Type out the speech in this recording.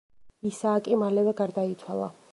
ისააკი მალევე გარდაიცვალა.